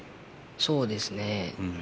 そうですね。